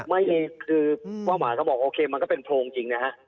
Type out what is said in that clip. ไม่คือเป้าหมายเขาบอกโอเคมันก็เป็นโพรงจริงนะฮะ